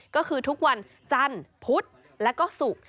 ก็คือทุกวันจันทร์พุธแล้วก็ศุกร์